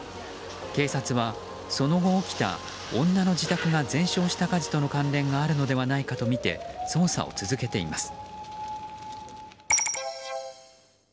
警察はその後起きた女の自宅が全焼した火事との関連があるのではないかとみて捜査を続けています。